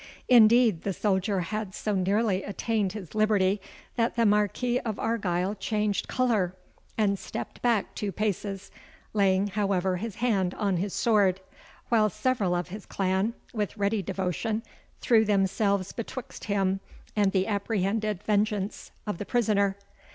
Indeed the soldier had so nearly attained his liberty, that the Marquis of Argyle changed colour, and stepped back two paces, laying, however, his hand on his sword, while several of his clan, with ready devotion, threw themselves betwixt him and the apprehended vengeance of the prisoner.